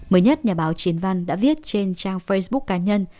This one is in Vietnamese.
mới nhất nhà báo chiến văn đã viết trên trang facebook cá nhân